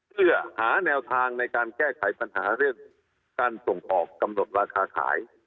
เพื่อหาแนวทางในการแก้ไขปัญหาเรื่องการส่งออกกำหนดราคาขาย